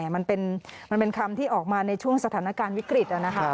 มันเป็นคำที่ออกมาในช่วงสถานการณ์วิกฤต